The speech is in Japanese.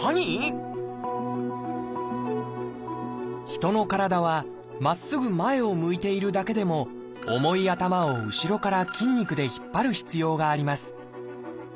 ヒトの体はまっすぐ前を向いているだけでも重い頭を後ろから筋肉で引っ張る必要があります。